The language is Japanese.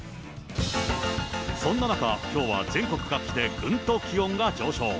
そんな中、きょうは全国各地でぐんと気温が上昇。